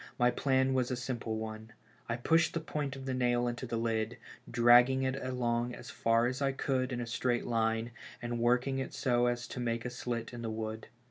My plan was a simple one : I pushed the point of the nail into the lid, dragging it along as far as I could in a straight line, and working it so as to make a slit in the wood.